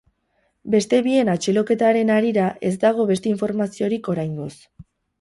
Beste bien atxiloketaren harira ez dago beste informaziorik oraingoz.